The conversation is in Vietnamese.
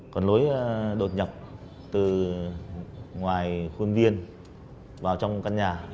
còn lối đột nhập từ ngoài khuôn viên vào trong căn nhà